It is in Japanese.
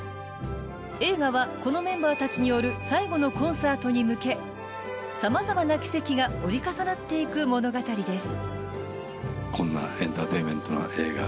映画はこのメンバーたちによる最後のコンサートに向けさまざまな奇跡が折り重なっていく物語です。